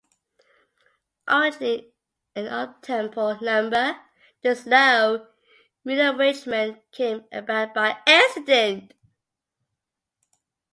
Originally an uptempo number, the slow, moody arrangement came about by accident.